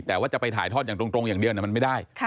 แต่ว่าจะไปถ่ายทอดอย่างตรงอย่างเดียวมันไม่ได้